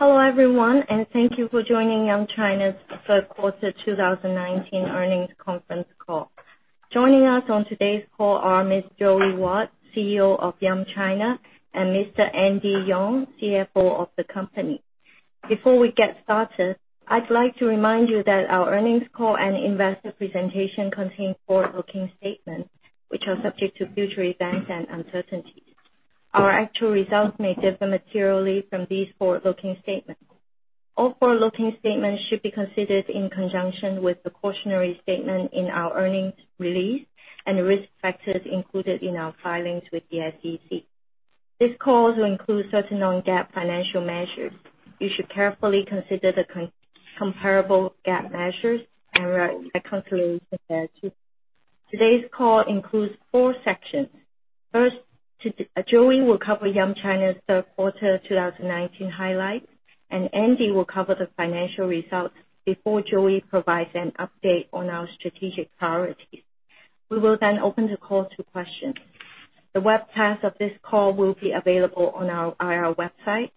Hello, everyone, thank you for joining Yum China's third quarter 2019 earnings conference call. Joining us on today's call are Ms. Joey Wat, CEO of Yum China, and Mr. Andy Yeung, CFO of the company. Before we get started, I'd like to remind you that our earnings call and investor presentation contain forward-looking statements, which are subject to future events and uncertainties. Our actual results may differ materially from these forward-looking statements. All forward-looking statements should be considered in conjunction with the cautionary statement in our earnings release and risk factors included in our filings with the SEC. This call will include certain non-GAAP financial measures. You should carefully consider the comparable GAAP measures and ratios by carefully considering that too. Today's call includes four sections. First, Joey will cover Yum China's third quarter 2019 highlights, and Andy will cover the financial results before Joey provides an update on our strategic priorities. We will then open the call to questions. The webcast of this call will be available on our IR website.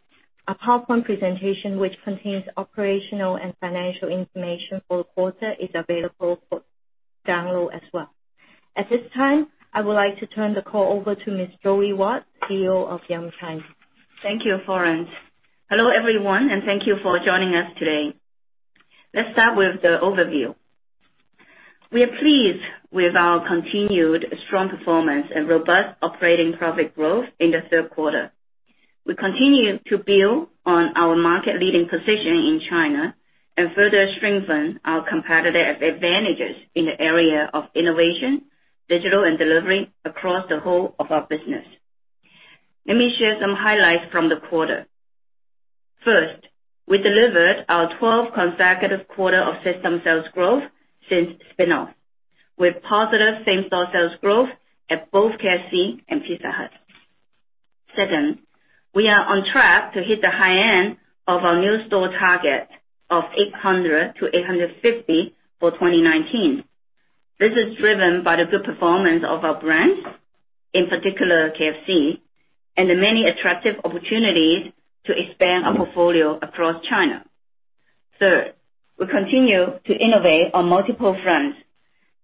A PowerPoint presentation which contains operational and financial information for the quarter is available for download as well. At this time, I would like to turn the call over to Ms. Joey Wat, CEO of Yum China. Thank you, Florence. Hello, everyone, and thank you for joining us today. Let's start with the overview. We are pleased with our continued strong performance and robust operating profit growth in the third quarter. We continue to build on our market-leading position in China and further strengthen our competitive advantages in the area of innovation, digital, and delivery across the whole of our business. Let me share some highlights from the quarter. First, we delivered our 12th consecutive quarter of system sales growth since spin-off, with positive same-store sales growth at both KFC and Pizza Hut. Second, we are on track to hit the high end of our new store target of 800 to 850 for 2019. This is driven by the good performance of our brands, in particular KFC, and the many attractive opportunities to expand our portfolio across China. Third, we continue to innovate on multiple fronts.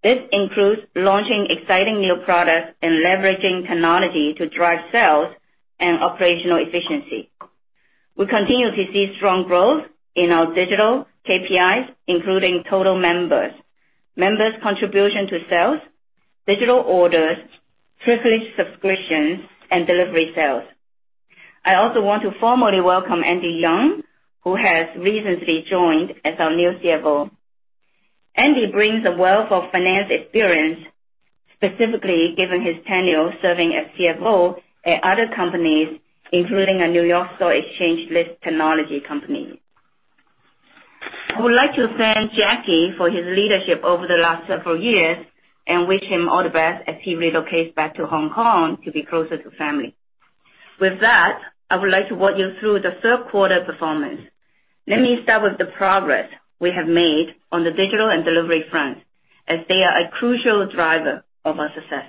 This includes launching exciting new products and leveraging technology to drive sales and operational efficiency. We continue to see strong growth in our digital KPIs, including total members' contribution to sales, digital orders, privilege subscriptions, and delivery sales. I also want to formally welcome Andy Yeung, who has recently joined as our new CFO. Andy brings a wealth of finance experience, specifically given his tenure serving as CFO at other companies, including a New York Stock Exchange-listed technology company. I would like to thank Jacky for his leadership over the last several years and wish him all the best as he relocates back to Hong Kong to be closer to family. With that, I would like to walk you through the third quarter performance. Let me start with the progress we have made on the digital and delivery front, as they are a crucial driver of our success.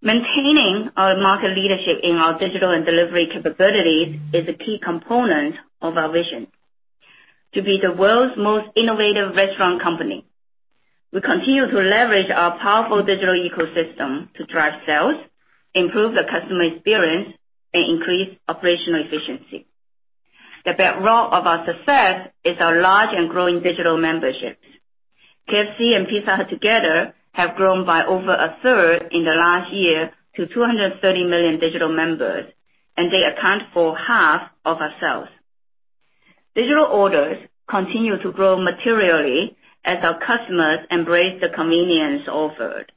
Maintaining our market leadership in our digital and delivery capabilities is a key component of our vision to be the world's most innovative restaurant company. We continue to leverage our powerful digital ecosystem to drive sales, improve the customer experience, and increase operational efficiency. The bedrock of our success is our large and growing digital memberships. KFC and Pizza Hut together have grown by over a third in the last year to 230 million digital members, and they account for half of our sales. Digital orders continue to grow materially as our customers embrace the convenience offered.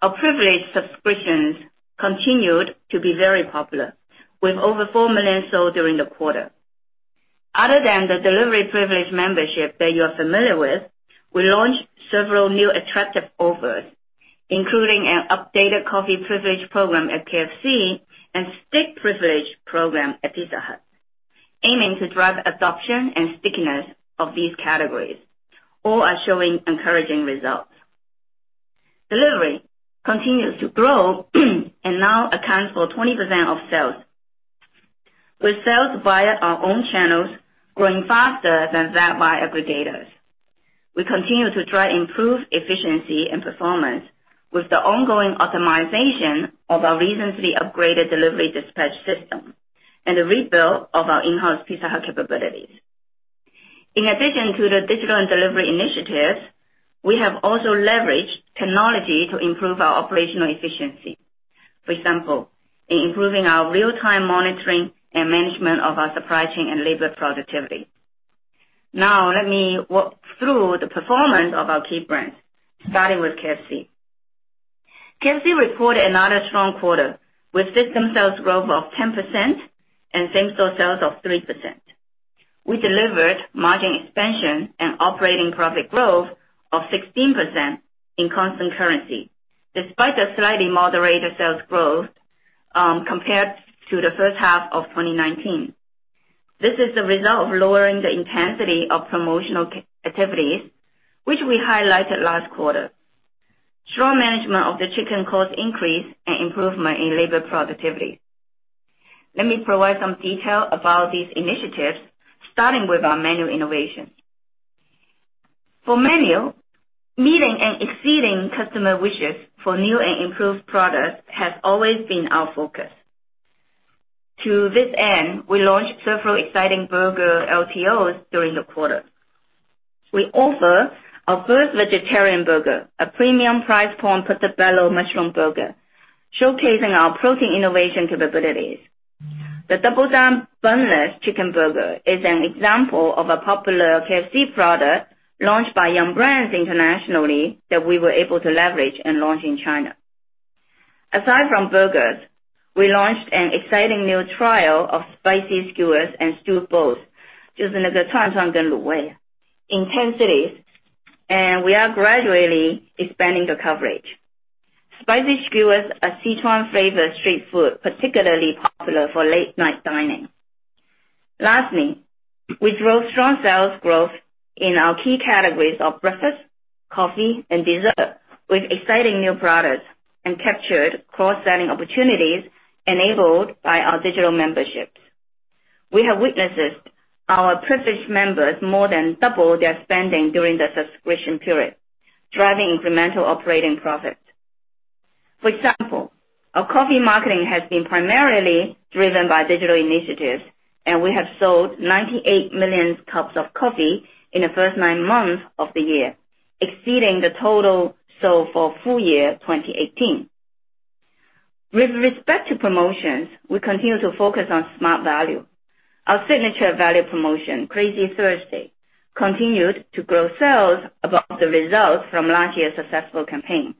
Our privilege subscriptions continued to be very popular, with over 4 million sold during the quarter. Other than the delivery privilege membership that you are familiar with, we launched several new attractive offers, including an updated coffee privilege program at KFC and steak privilege program at Pizza Hut, aiming to drive adoption and stickiness of these categories. All are showing encouraging results. Delivery continues to grow and now accounts for 20% of sales, with sales via our own channels growing faster than that by aggregators. We continue to drive improved efficiency and performance with the ongoing optimization of our recently upgraded delivery dispatch system and the rebuild of our in-house Pizza Hut capabilities. In addition to the digital and delivery initiatives, we have also leveraged technology to improve our operational efficiency, for example, in improving our real-time monitoring and management of our supply chain and labor productivity. Let me walk through the performance of our key brands, starting with KFC. KFC reported another strong quarter with system sales growth of 10% and same-store sales of 3%. We delivered margin expansion and operating profit growth of 16% in constant currency, despite a slightly moderated sales growth compared to the first half of 2019. This is the result of lowering the intensity of promotional activities, which we highlighted last quarter, strong management of the chicken cost increase and improvement in labor productivity. Let me provide some detail about these initiatives, starting with our menu innovation. For menu, meeting and exceeding customer wishes for new and improved products has always been our focus. To this end, we launched several exciting burger LTOs during the quarter. We offer our first vegetarian burger, a premium Portobello Mushroom Burger, showcasing our protein innovation capabilities. The Double Down boneless chicken burger is an example of a popular KFC product launched by Yum! Brands internationally that we were able to leverage and launch in China. Aside from burgers, we launched an exciting new trial of spicy skewers and stewed bowls, in 10 cities, and we are gradually expanding the coverage. Spicy skewers are Szechuan-flavored street food, particularly popular for late-night dining. Lastly, we drove strong sales growth in our key categories of breakfast, coffee, and dessert with exciting new products, and captured cross-selling opportunities enabled by our digital memberships. We have witnessed our privileged members more than double their spending during the subscription period, driving incremental operating profit. For example, our coffee marketing has been primarily driven by digital initiatives, and we have sold 98 million cups of coffee in the first 9 months of the year, exceeding the total sold for full year 2018. With respect to promotions, we continue to focus on smart value. Our signature value promotion, Crazy Thursday, continued to grow sales above the results from last year's successful campaign.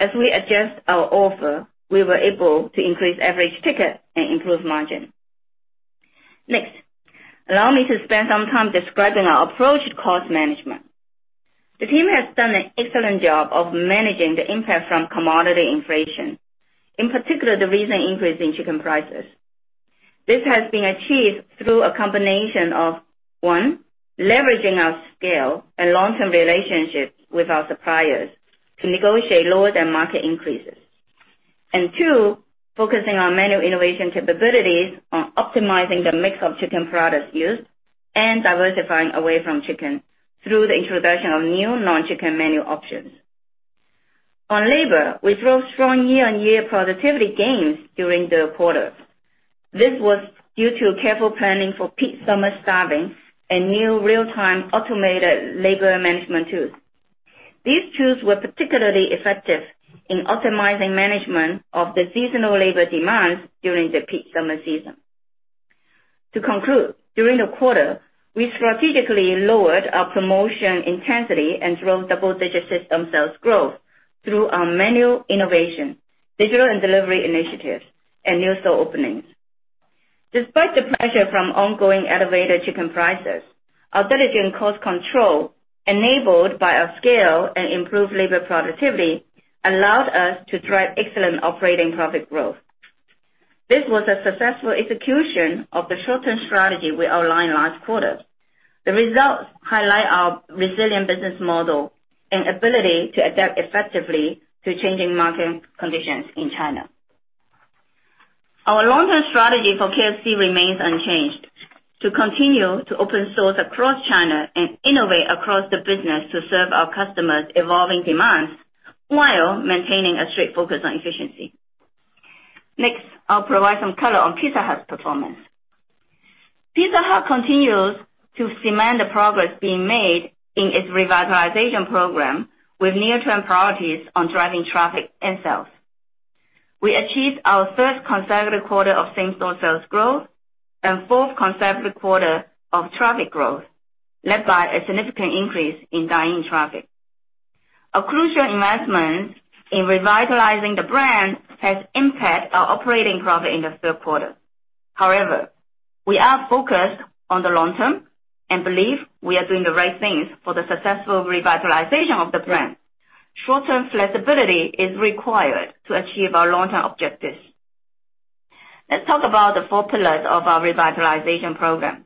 As we adjust our offer, we were able to increase average ticket and improve margin. Next, allow me to spend some time describing our approach to cost management. The team has done an excellent job of managing the impact from commodity inflation, in particular, the recent increase in chicken prices. This has been achieved through a combination of, one, leveraging our scale and long-term relationships with our suppliers to negotiate lower than market increases. Two, focusing on menu innovation capabilities on optimizing the mix of chicken products used and diversifying away from chicken through the introduction of new non-chicken menu options. On labor, we drove strong year-on-year productivity gains during the quarter. This was due to careful planning for peak summer staffing and new real-time automated labor management tools. These tools were particularly effective in optimizing management of the seasonal labor demands during the peak summer season. To conclude, during the quarter, we strategically lowered our promotion intensity and drove double-digit system sales growth through our menu innovation, digital and delivery initiatives, and new store openings. Despite the pressure from ongoing elevated chicken prices, our diligent cost control, enabled by our scale and improved labor productivity, allowed us to drive excellent operating profit growth. This was a successful execution of the short-term strategy we outlined last quarter. The results highlight our resilient business model and ability to adapt effectively to changing market conditions in China. Our long-term strategy for KFC remains unchanged. To continue to open stores across China and innovate across the business to serve our customers' evolving demands while maintaining a strict focus on efficiency. I'll provide some color on Pizza Hut's performance. Pizza Hut continues to cement the progress being made in its Revitalization Program, with near-term priorities on driving traffic and sales. We achieved our third consecutive quarter of same-store sales growth and fourth consecutive quarter of traffic growth, led by a significant increase in dine-in traffic. Our investments in revitalizing the brand has impact our operating profit in the third quarter. We are focused on the long term and believe we are doing the right things for the successful revitalization of the brand. Short-term flexibility is required to achieve our long-term objectives. Let's talk about the four pillars of our revitalization program,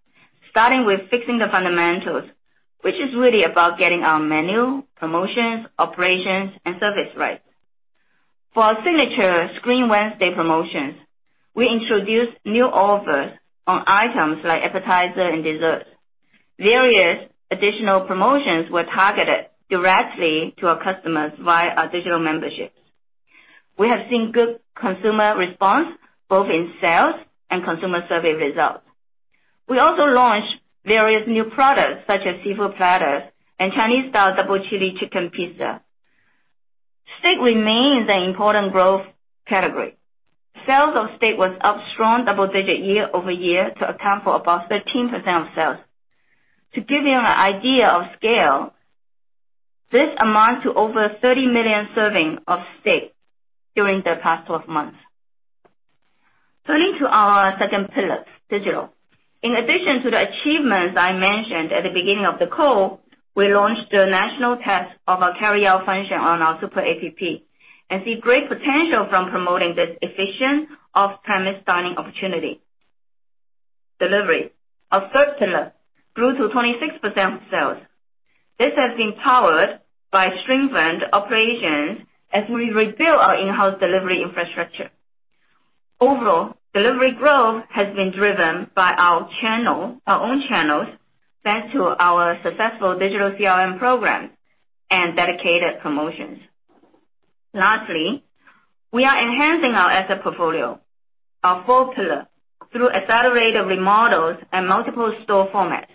starting with fixing the fundamentals, which is really about getting our menu, promotions, operations, and service right. For our signature Scream Wednesday promotions, we introduced new offers on items like appetizers and desserts. Various additional promotions were targeted directly to our customers via our digital memberships. We have seen good consumer response both in sales and consumer survey results. We also launched various new products such as seafood platter and Chinese-style double chili chicken pizza. Steak remains an important growth category. Sales of steak was up strong double-digit year-over-year to account for about 13% of sales. To give you an idea of scale, this amounts to over 30 million servings of steak during the past 12 months. Turning to our second pillar, digital. In addition to the achievements I mentioned at the beginning of the call, we launched the national test of our carryout function on our Super App, see great potential from promoting this efficient off-premise dining opportunity. Delivery. Our third pillar grew to 26% of sales. This has been powered by strengthened operations as we rebuild our in-house delivery infrastructure. Overall, delivery growth has been driven by our own channels, thanks to our successful digital CRM program and dedicated promotions. Lastly, we are enhancing our asset portfolio, our fourth pillar, through accelerated remodels and multiple store formats.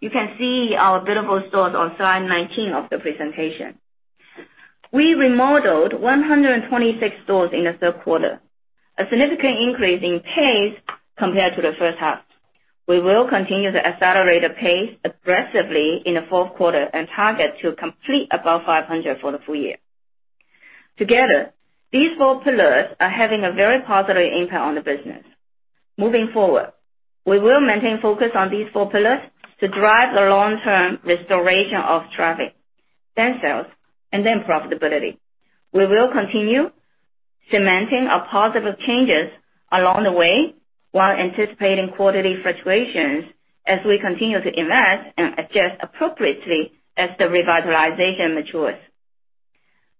You can see our remodeled stores on slide 19 of the presentation. We remodeled 126 stores in the third quarter, a significant increase in pace compared to the first half. We will continue to accelerate the pace aggressively in the fourth quarter and target to complete above 500 for the full year. Together, these four pillars are having a very positive impact on the business. Moving forward, we will maintain focus on these four pillars to drive the long-term restoration of traffic, then sales, and then profitability. We will continue cementing our positive changes along the way while anticipating quarterly fluctuations as we continue to invest and adjust appropriately as the revitalization matures.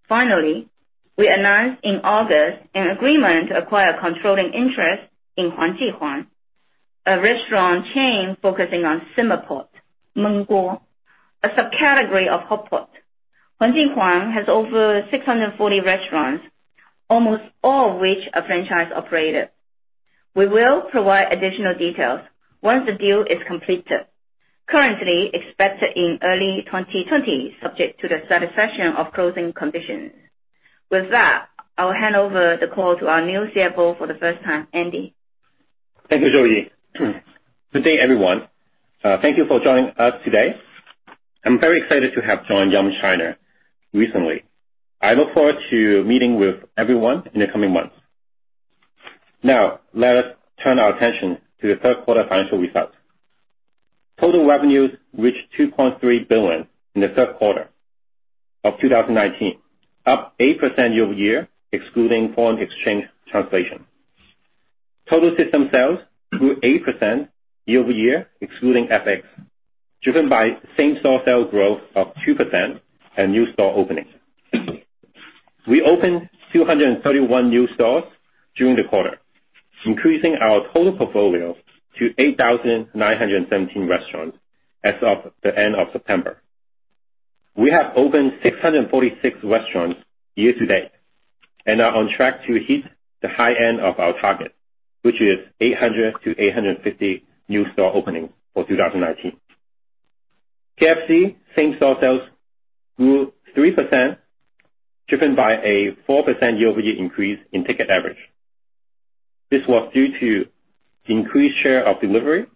Finally, we announced in August an agreement to acquire controlling interest in Huang Ji Huang, a restaurant chain focusing on simmer pot, 焖锅, a subcategory of hot pot. Huang Ji Huang has over 640 restaurants, almost all of which are franchise operated. We will provide additional details once the deal is completed, currently expected in early 2020, subject to the satisfaction of closing conditions. With that, I'll hand over the call to our new CFO for the first time, Andy. Thank you, Joey. Good day, everyone. Thank you for joining us today. I'm very excited to have joined Yum China recently. I look forward to meeting with everyone in the coming months. Let us turn our attention to the third quarter financial results. Total revenues reached $2.3 billion in the third quarter of 2019, up 8% year-over-year, excluding foreign exchange translation. Total system sales grew 8% year-over-year, excluding FX, driven by same-store sales growth of 2% and new store openings. We opened 231 new stores during the quarter, increasing our total portfolio to 8,917 restaurants as of the end of September. We have opened 646 restaurants year-to-date and are on track to hit the high end of our target, which is 800-850 new store openings for 2019. KFC same-store sales grew 3%, driven by a 4% year-over-year increase in ticket average. This was due to increased share of delivery,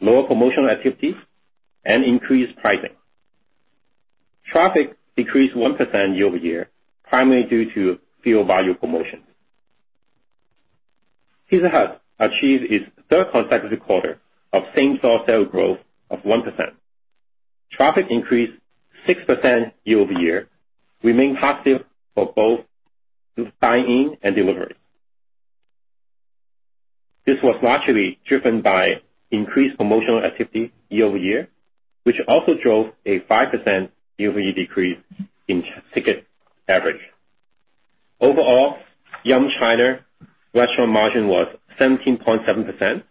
lower promotional activities, and increased pricing. Traffic decreased 1% year-over-year, primarily due to fewer value promotions. Pizza Hut achieved its third consecutive quarter of same-store sales growth of 1%. Traffic increased 6% year-over-year, remained positive for both dine-in and delivery. This was largely driven by increased promotional activity year-over-year, which also drove a 5% year-over-year decrease in ticket average. Overall, Yum China restaurant margin was 17.7%,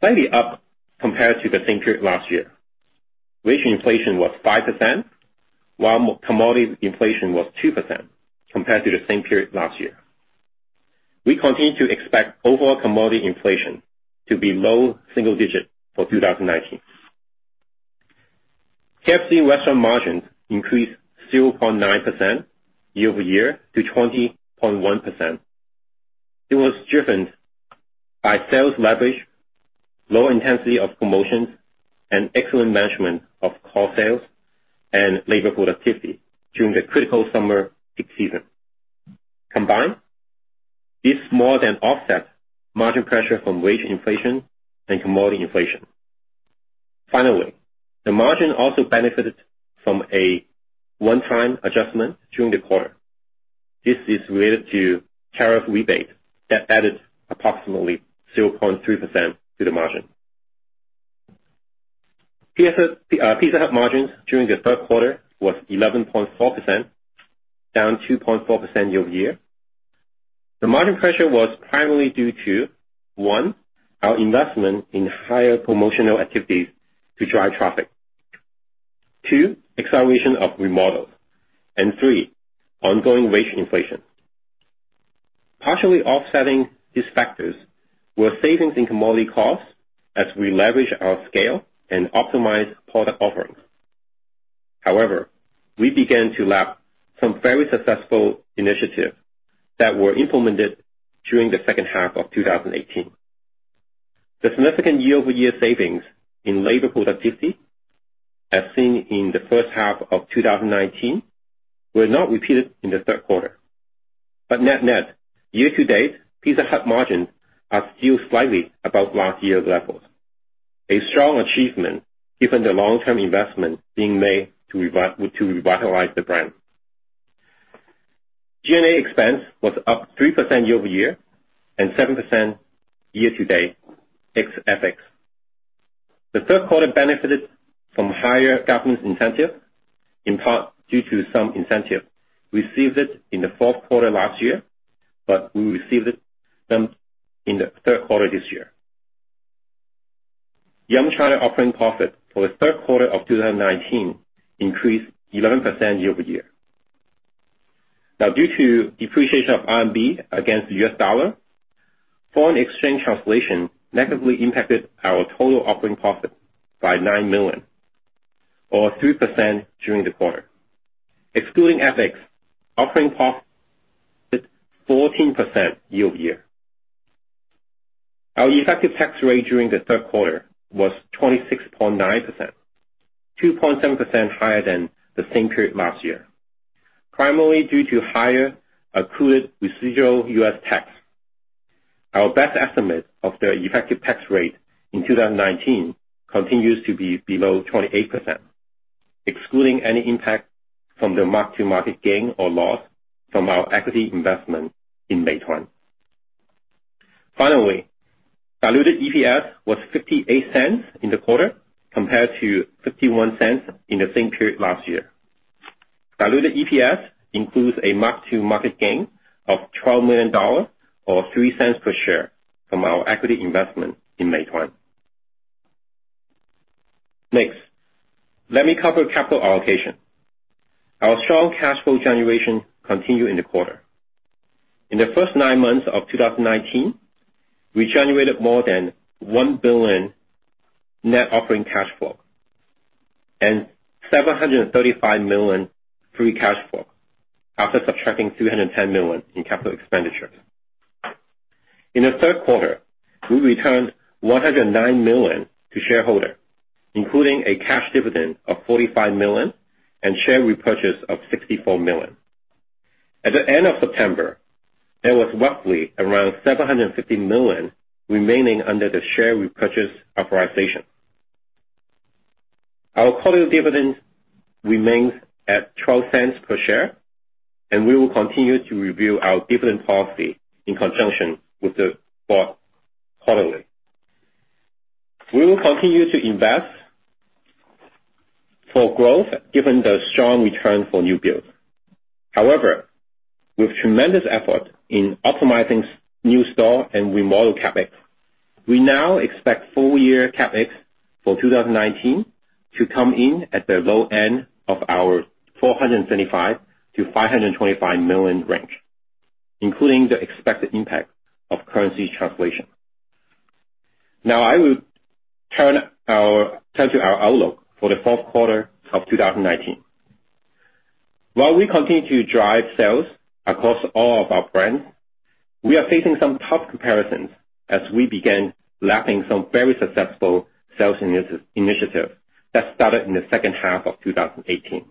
slightly up compared to the same period last year. Wage inflation was 5%, while commodity inflation was 2% compared to the same period last year. We continue to expect overall commodity inflation to be low single digit for 2019. KFC restaurant margins increased 0.9% year-over-year to 20.1%. It was driven by sales leverage, low intensity of promotions, and excellent management of core sales and labor productivity during the critical summer peak season. This more than offsets margin pressure from wage inflation and commodity inflation. The margin also benefited from a one-time adjustment during the quarter. This is related to tariff rebate that added approximately 0.3% to the margin. Pizza Hut margins during the third quarter was 11.4%, down 2.4% year-over-year. The margin pressure was primarily due to, one, our investment in higher promotional activities to drive traffic. Two, acceleration of remodels. Three, ongoing wage inflation. Partially offsetting these factors were savings in commodity costs as we leverage our scale and optimize product offerings. We began to lap some very successful initiatives that were implemented during the second half of 2018. The significant year-over-year savings in labor productivity, as seen in the first half of 2019, were not repeated in the third quarter. Net-net, year-to-date, Pizza Hut margins are still slightly above last year's levels. A strong achievement given the long-term investment being made to revitalize the brand. G&A expense was up 3% year-over-year and 7% year-to-date ex FX. The 3rd quarter benefited from higher government incentive, in part due to some incentive received in the 4th quarter last year, but we received them in the 3rd quarter this year. Yum China operating profit for the 3rd quarter of 2019 increased 11% year-over-year. Due to depreciation of RMB against the U.S. dollar, foreign exchange translation negatively impacted our total operating profit by $9 million or 3% during the quarter. Excluding FX, operating profit 14% year-over-year. Our effective tax rate during the 3rd quarter was 26.9%, 2.7% higher than the same period last year, primarily due to higher accrued residual U.S. tax. Our best estimate of the effective tax rate in 2019 continues to be below 28%, excluding any impact from the mark to market gain or loss from our equity investment in Meituan. Finally, diluted EPS was $0.58 in the quarter, compared to $0.51 in the same period last year. Diluted EPS includes a mark to market gain of $12 million or $0.03 per share from our equity investment in Meituan. Next, let me cover capital allocation. Our strong cash flow generation continued in the quarter. In the first nine months of 2019, we generated more than $1 billion net operating cash flow and $735 million free cash flow after subtracting $310 million in capital expenditures. In the third quarter, we returned $109 million to shareholders, including a cash dividend of $45 million and share repurchase of $64 million. At the end of September, there was roughly around $750 million remaining under the share repurchase authorization. Our quarterly dividend remains at $0.12 per share, and we will continue to review our dividend policy in conjunction with the board quarterly. We will continue to invest for growth given the strong return for new build. However, with tremendous effort in optimizing new store and remodel CapEx, we now expect full year CapEx for 2019 to come in at the low end of our $475 million-$525 million range, including the expected impact of currency translation. I will turn to our outlook for the fourth quarter of 2019. While we continue to drive sales across all of our brands, we are facing some tough comparisons as we begin lapping some very successful sales initiatives that started in the second half of 2018.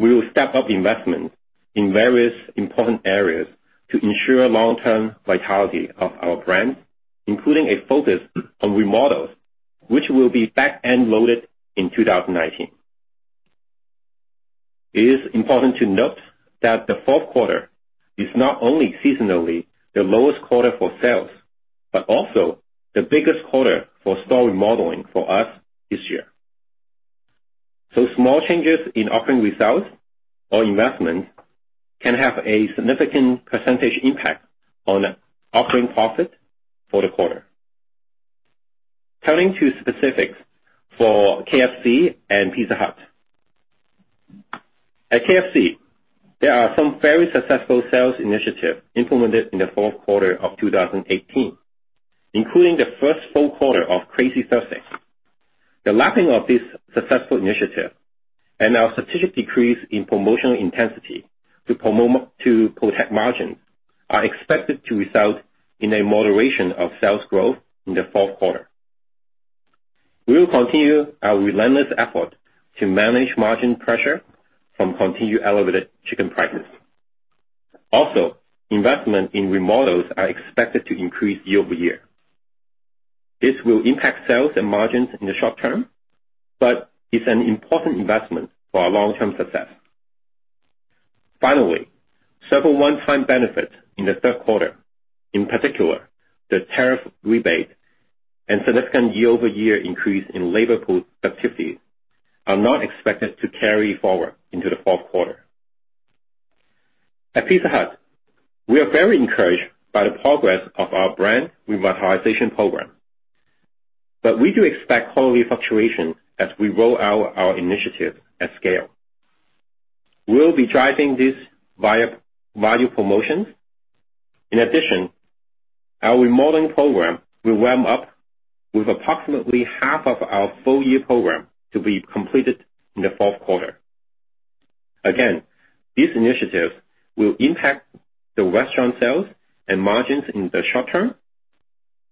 We will step up investment in various important areas to ensure long-term vitality of our brand, including a focus on remodels, which will be back-end loaded in 2019. It is important to note that the fourth quarter is not only seasonally the lowest quarter for sales, but also the biggest quarter for store remodeling for us this year. Small changes in operating results or investment can have a significant percentage impact on operating profit for the quarter. Turning to specifics for KFC and Pizza Hut. At KFC, there are some very successful sales initiatives implemented in the fourth quarter of 2018, including the first full quarter of Crazy Thursday. The lapping of this successful initiative and our strategic decrease in promotional intensity to protect margins are expected to result in a moderation of sales growth in the fourth quarter. We will continue our relentless effort to manage margin pressure from continued elevated chicken prices. Also, investment in remodels are expected to increase year-over-year. This will impact sales and margins in the short term, but it's an important investment for our long-term success. Finally, several one-time benefits in the third quarter, in particular, the tariff rebate and significant year-over-year increase in labor productivity, are not expected to carry forward into the fourth quarter. At Pizza Hut, we are very encouraged by the progress of our brand revitalization program. We do expect quarterly fluctuations as we roll out our initiative at scale. We'll be driving this via value promotions. In addition, our remodeling program will ramp up with approximately half of our full-year program to be completed in the fourth quarter. These initiatives will impact the restaurant sales and margins in the short term,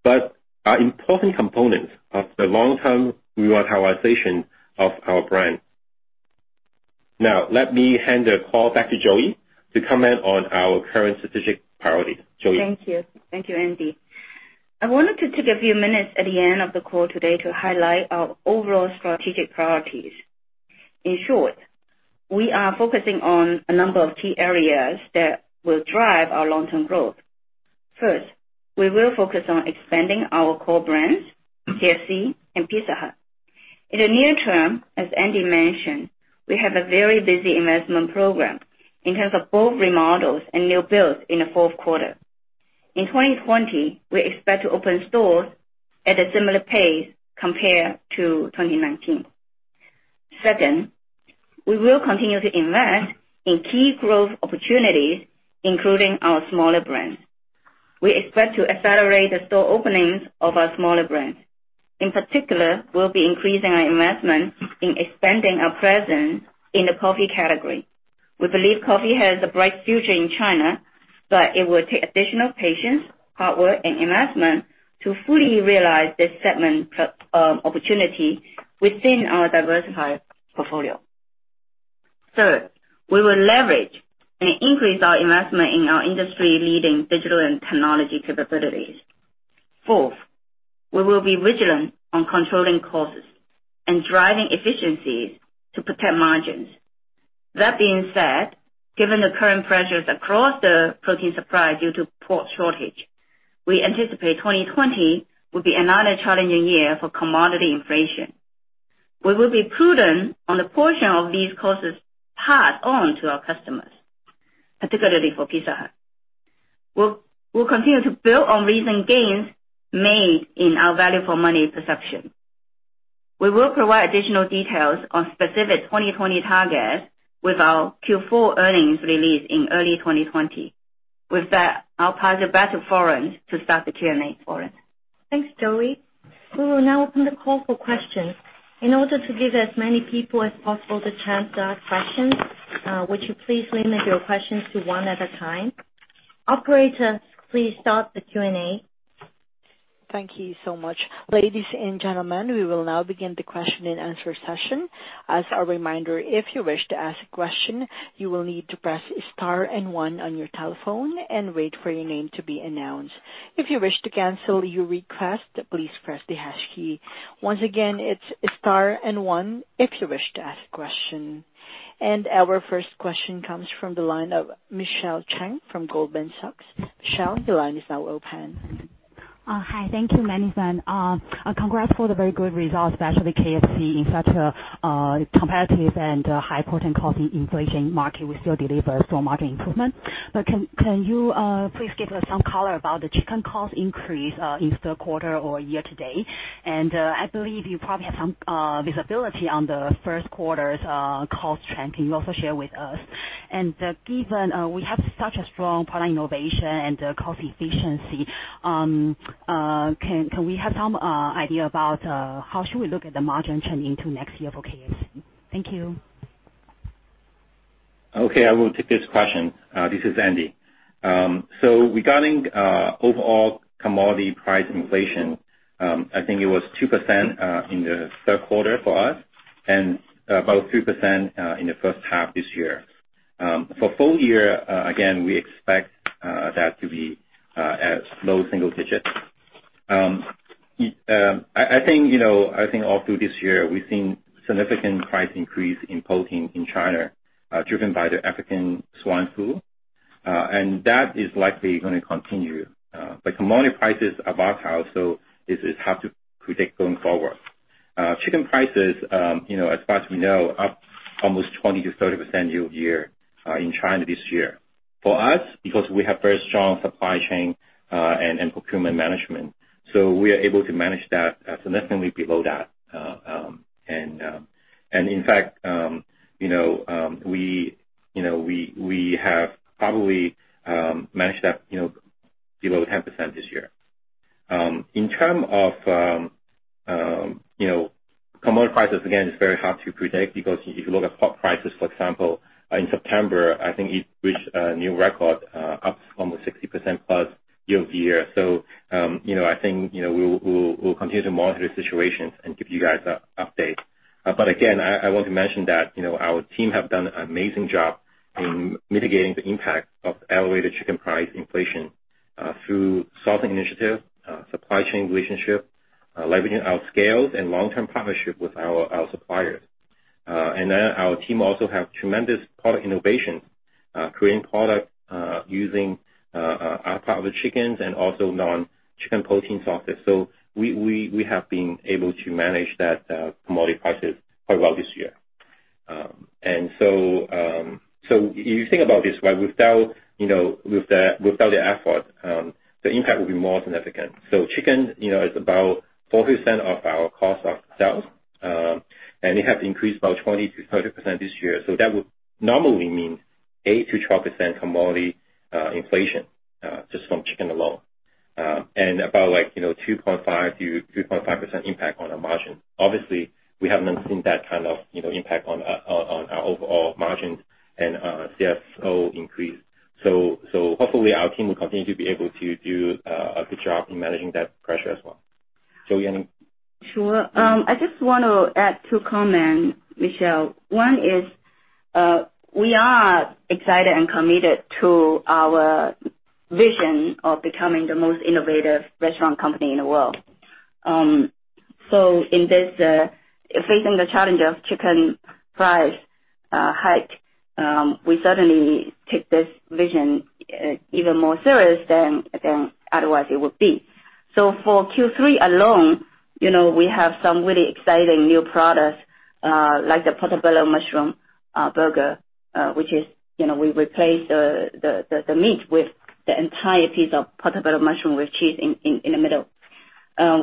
but are important components of the long-term revitalization of our brand. Let me hand the call back to Joey to comment on our current strategic priorities. Joey? Thank you, Andy. I wanted to take a few minutes at the end of the call today to highlight our overall strategic priorities. In short, we are focusing on a number of key areas that will drive our long-term growth. First, we will focus on expanding our core brands, KFC and Pizza Hut. In the near term, as Andy mentioned, we have a very busy investment program in terms of both remodels and new builds in the fourth quarter. In 2020, we expect to open stores at a similar pace compared to 2019. Second, we will continue to invest in key growth opportunities, including our smaller brands. We expect to accelerate the store openings of our smaller brands. In particular, we'll be increasing our investment in expanding our presence in the coffee category. We believe coffee has a bright future in China, but it will take additional patience, hard work and investment to fully realize this segment opportunity within our diversified portfolio. Third, we will leverage and increase our investment in our industry-leading digital and technology capabilities. Fourth, we will be vigilant on controlling costs and driving efficiencies to protect margins. That being said, given the current pressures across the protein supply due to pork shortage, we anticipate 2020 will be another challenging year for commodity inflation. We will be prudent on the portion of these costs passed on to our customers, particularly for Pizza Hut. We'll continue to build on recent gains made in our value for money perception. We will provide additional details on specific 2020 targets with our Q4 earnings release in early 2020. With that, I'll pass it back to Florence to start the Q&A forum. Thanks, Joey. We will now open the call for questions. In order to give as many people as possible the chance to ask questions, would you please limit your questions to one at a time? Operator, please start the Q&A. Thank you so much. Ladies and gentlemen, we will now begin the question and answer session. As a reminder, if you wish to ask a question, you will need to press star and one on your telephone and wait for your name to be announced. If you wish to cancel your request, please press the hash key. Once again, it's star and one if you wish to ask a question. Our first question comes from the line of Michelle Cheng from Goldman Sachs. Michelle, the line is now open. Hi. Thank you, management. Congrats for the very good results, especially KFC in such a competitive and high protein cost inflation market, we still deliver store market improvement. Can you please give us some color about the chicken cost increase in third quarter or year to date? I believe you probably have some visibility on the first quarter's cost trend. Can you also share with us? Given we have such a strong product innovation and cost efficiency, can we have some idea about how should we look at the margin trend into next year for KFC? Thank you. Okay, I will take this question. This is Andy. Regarding overall commodity price inflation, I think it was 2% in the third quarter for us and about 3% in the first half this year. For full year, again, we expect that to be at low single digits. I think all through this year, we've seen significant price increase in protein in China, driven by the African swine fever. That is likely going to continue. Commodity prices are volatile, so this is hard to predict going forward. Chicken prices, as far as we know, up almost 20%-30% year-over-year in China this year. For us, because we have very strong supply chain and procurement management, so we are able to manage that significantly below that. In fact, we have probably managed that below 10% this year. In term of commodity prices, again, it's very hard to predict because if you look at pork prices, for example, in September, I think it reached a new record up almost 60%+ year-over-year. I think we'll continue to monitor the situation and keep you guys updated. Again, I want to mention that our team have done an amazing job in mitigating the impact of elevated chicken price inflation through sourcing initiative, supply chain relationship, leveraging our scales and long-term partnership with our suppliers. Our team also have tremendous product innovation, creating product using our part of the chickens and also non-chicken protein sources. We have been able to manage that commodity prices quite well this year. You think about this, without the effort, the impact will be more significant. Chicken is about 40% of our cost of sales. It has increased about 20%-30% this year. That would normally mean 8%-12% commodity inflation, just from chicken alone. About 2.5%-3.5% impact on our margin. Obviously, we have not seen that kind of impact on our overall margins and CFO increase. Hopefully our team will continue to be able to do a good job in managing that pressure as well. Joey, anything? Sure. I just want to add two comments, Michelle. One is, we are excited and committed to our vision of becoming the most innovative restaurant company in the world. In facing the challenge of chicken price hike, we certainly take this vision even more serious than otherwise it would be. For Q3 alone, we have some really exciting new products, like the Portobello Mushroom Burger, which we replace the meat with the entire piece of Portobello mushroom with cheese in the middle.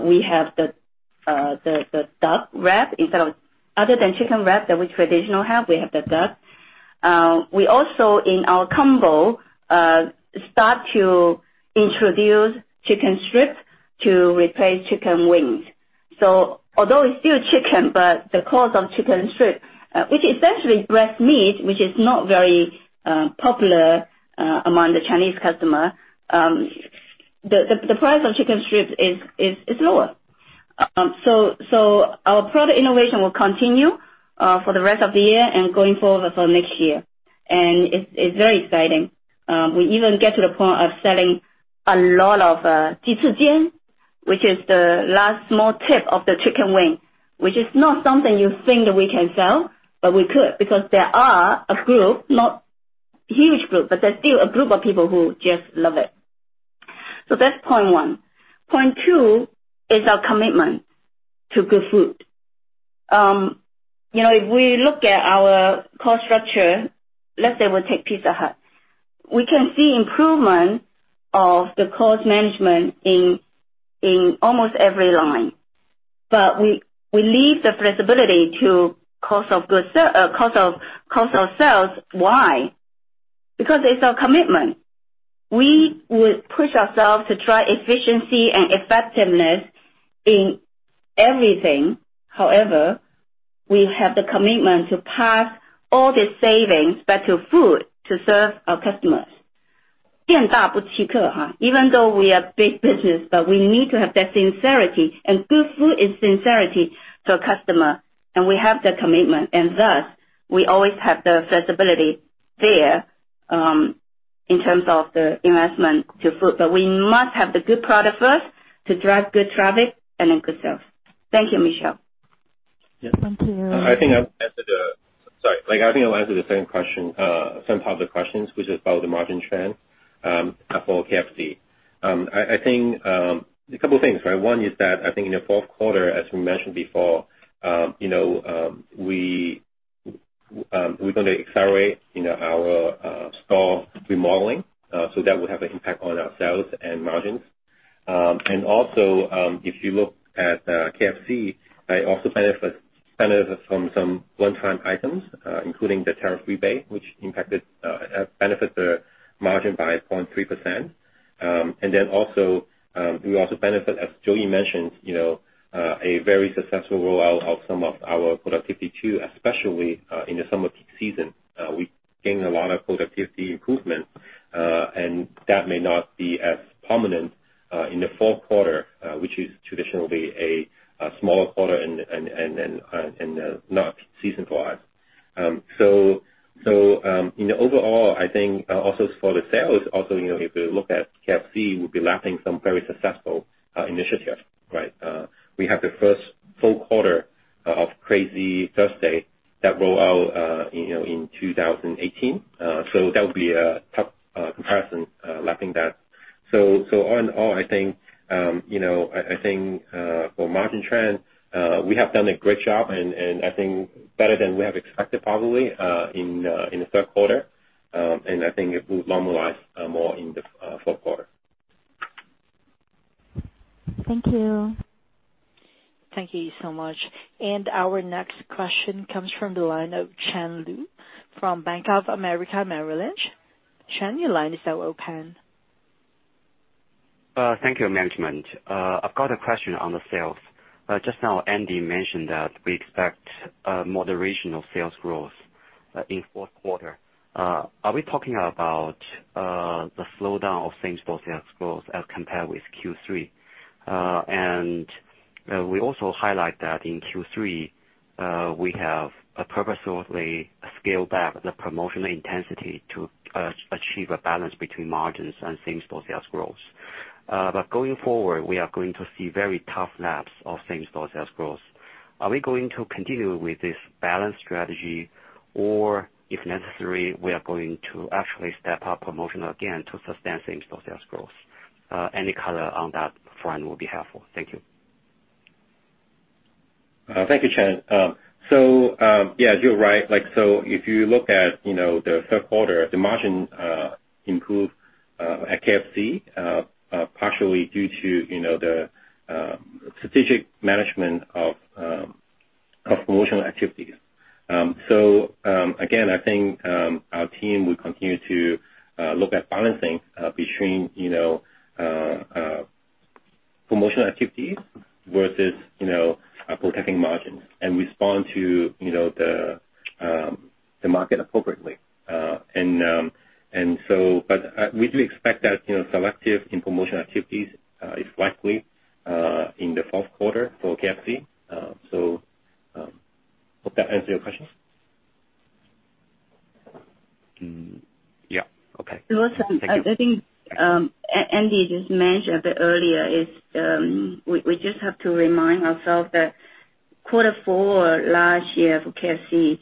We have the duck wrap. Other than chicken wrap that we traditionally have, we have the duck. We also, in our combo, start to introduce chicken strips to replace chicken wings. Although it's still chicken, but the cost of chicken strips, which is essentially breast meat, which is not very popular among the Chinese customer, the price of chicken strips is lower. Our product innovation will continue for the rest of the year and going forward for next year, and it's very exciting. We even get to the point of selling a lot of 鸡翅尖, which is the last small tip of the chicken wing, which is not something you think that we can sell, but we could, because there are a group, not huge group, but there's still a group of people who just love it. That's point one. Point two is our commitment to good food. If we look at our cost structure, let's say we take Pizza Hut. We can see improvement of the cost management in almost every line. We leave the flexibility to cost of sales. Why? Because it's our commitment. We would push ourselves to try efficiency and effectiveness in everything. We have the commitment to pass all the savings back to food to serve our customers. Even though we are big business, but we need to have that sincerity, and good food is sincerity to a customer, and we have the commitment, and thus, we always have the flexibility there, in terms of the investment to food. We must have the good product first to drive good traffic and then good sales. Thank you, Michelle. Yeah. Thank you. I think it answers the same question, some part of the questions, which is about the margin trend for KFC. A couple things, right? One is that I think in the fourth quarter, as we mentioned before, we're going to accelerate our store remodeling, that will have an impact on our sales and margins. Also, if you look at KFC, also benefit from some one-time items, including the tariff rebate, which benefit the margin by 0.3%. Also, we also benefit, as Joey mentioned, a very successful rollout of some of our productivity tools, especially in the summer peak season. We gained a lot of productivity improvements, that may not be as prominent in the fourth quarter, which is traditionally a smaller quarter and not peak season for us. In the overall, I think for the sales, if you look at KFC, we'll be lapping some very successful initiatives, right? We have the first full quarter of Crazy Thursday that roll out in 2018. That would be a tough comparison lapping that. All in all, I think for margin trend, we have done a great job and I think better than we have expected probably in the third quarter. I think it will normalize more in the fourth quarter. Thank you. Thank you so much. Our next question comes from the line of Chen Luo from Bank of America Merrill Lynch. Chen, your line is now open. Thank you, management. I've got a question on the sales. Just now, Andy mentioned that we expect a moderation of sales growth in fourth quarter. Are we talking about the slowdown of same-store sales growth as compared with Q3? We also highlight that in Q3, we have purposefully scaled back the promotional intensity to achieve a balance between margins and same-store sales growth. Going forward, we are going to see very tough laps of same-store sales growth. Are we going to continue with this balanced strategy, or if necessary, we are going to actually step up promotional again to sustain same-store sales growth? Any color on that front will be helpful. Thank you. Thank you, Chen Luo. Yeah, you're right. If you look at the third quarter, the margin improved at KFC, partially due to the strategic management of promotional activities. Again, I think our team will continue to look at balancing between promotional activities versus protecting margins and respond to the market appropriately. We do expect that selective in promotion activities is likely in the fourth quarter for KFC. Hope that answered your question. Yeah. Okay. I think Andy just mentioned a bit earlier, is we just have to remind ourselves that quarter four last year for KFC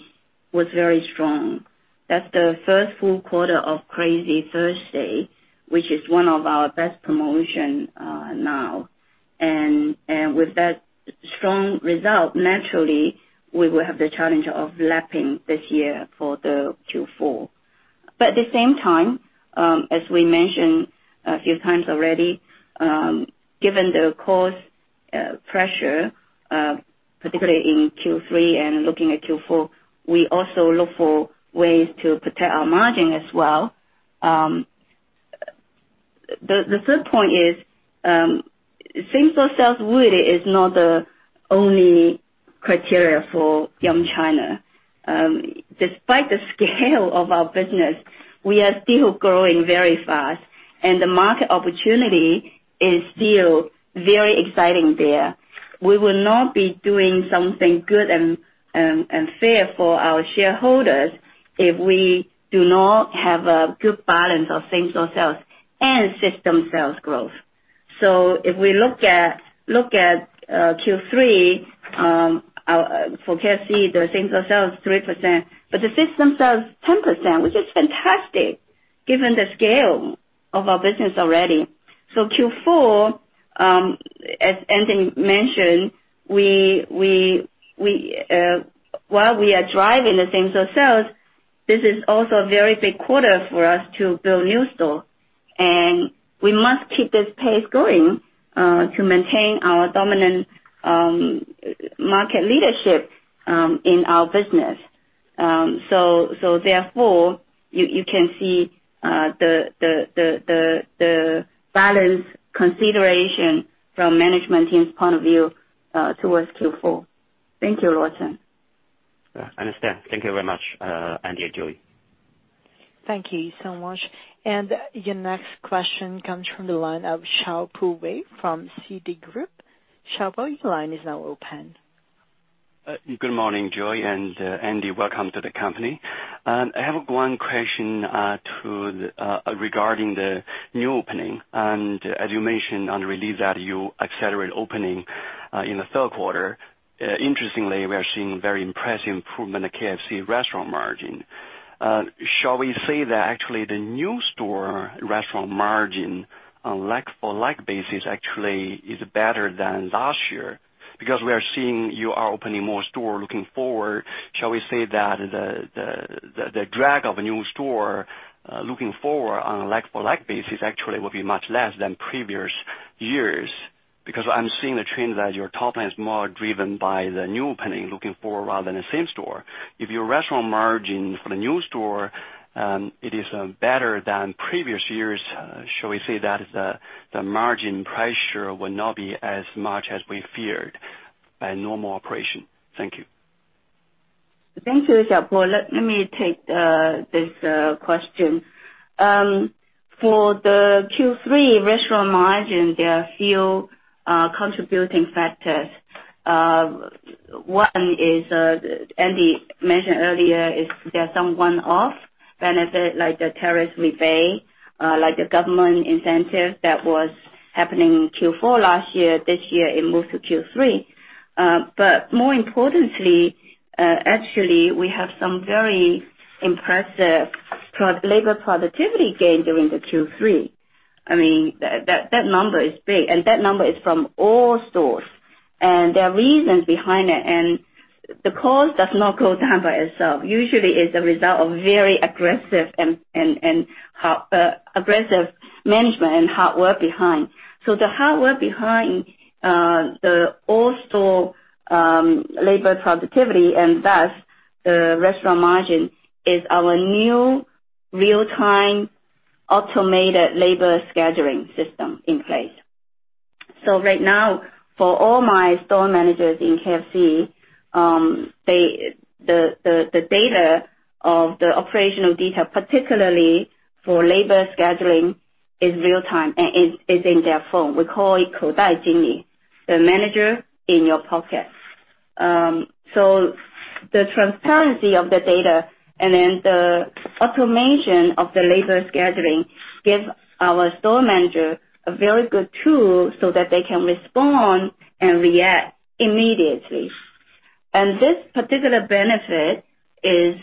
was very strong. That's the first full quarter of Crazy Thursday, which is one of our best promotion now. With that strong result, naturally, we will have the challenge of lapping this year for the Q4. At the same time, as we mentioned a few times already, given the cost pressure, particularly in Q3 and looking at Q4, we also look for ways to protect our margin as well. The third point is same-store sales really is not the only criteria for Yum China. Despite the scale of our business, we are still growing very fast, and the market opportunity is still very exciting there. We will not be doing something good and fair for our shareholders if we do not have a good balance of same-store sales and system sales growth. If we look at Q3 for KFC, the same-store sales 3%, but the system sales 10%, which is fantastic given the scale of our business already. Q4, as Andy mentioned, while we are driving the same-store sales, this is also a very big quarter for us to build new store. We must keep this pace going to maintain our dominant market leadership in our business. Therefore, you can see the balance consideration from management team's point of view towards Q4. Thank you, Wilson. Yeah, understand. Thank you very much, Andy and Joey. Thank you so much. Your next question comes from the line of Xiaopo Wei from Citigroup. Xiaopo, your line is now open. Good morning, Joey and Andy. Welcome to the company. I have one question regarding the new opening. As you mentioned on the release that you accelerate opening in the third quarter, interestingly, we are seeing very impressive improvement in KFC restaurant margin. Shall we say that actually the new store restaurant margin on like-for-like basis actually is better than last year? We are seeing you are opening more store looking forward. Shall we say that the drag of a new store looking forward on a like-for-like basis actually will be much less than previous years? I'm seeing the trend that your top line is more driven by the new opening looking forward rather than the same store. If your restaurant margin for the new store, it is better than previous years, shall we say that the margin pressure will not be as much as we feared by normal operation? Thank you. Thank you, Xiaopo. Let me take this question. For the Q3 restaurant margin, there are a few contributing factors. One Andy mentioned earlier, is there are some one-off benefit, like the tariff rebate, like the government incentive that was happening in Q4 last year. This year, it moved to Q3. More importantly, actually, we have some very impressive labor productivity gain during the Q3. I mean, that number is big, and that number is from all stores. There are reasons behind it, and the cost does not go down by itself. Usually, it's a result of very aggressive management and hard work behind. The hard work behind the all-store labor productivity, and thus the restaurant margin, is our new real-time automated labor scheduling system in place. Right now, for all my store managers in KFC, the data of the operational detail, particularly for labor scheduling, is real-time and is in their phone. We call it 手机经理. The manager in your pocket. The transparency of the data and then the automation of the labor scheduling gives our store manager a very good tool so that they can respond and react immediately. This particular benefit is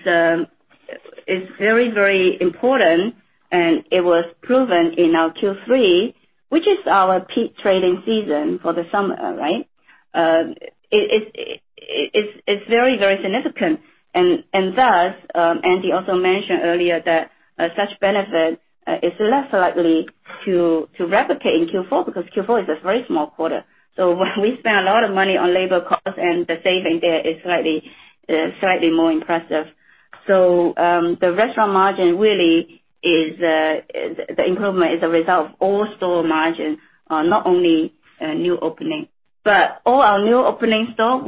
very, very important, and it was proven in our Q3, which is our peak trading season for the summer, right? It's very, very significant. Thus, Andy also mentioned earlier that such benefit is less likely to replicate in Q4, because Q4 is a very small quarter. When we spend a lot of money on labor cost, and the saving there is slightly more impressive. The restaurant margin, really, the improvement is a result of all store margin, not only new opening. All our new opening store,